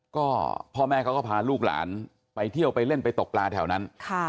ก็พ่อแม่เขาก็พาลูกหลานไปเที่ยวไปเล่นไปตกปลาแถวนั้น